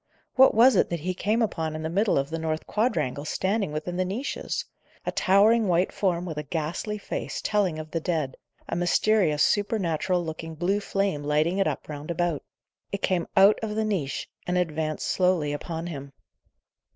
What was it that he came upon in the middle of the north quadrangle, standing within the niches? A towering white form, with a ghastly face, telling of the dead; a mysterious, supernatural looking blue flame lighting it up round about. It came out of the niche, and advanced slowly upon him.